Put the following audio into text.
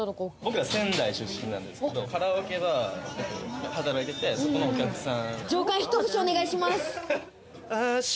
僕は仙台出身なんですけれども、カラオケバーで働いてて、そこのお客さん。